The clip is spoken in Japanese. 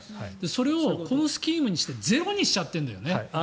それをこのスキームにしてゼロにしちゃってるんだよね。